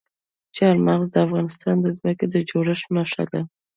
چار مغز د افغانستان د ځمکې د جوړښت نښه ده.